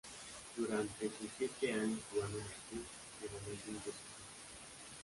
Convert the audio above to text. Durante sus siete años jugando en el club, que ganó cinco títulos.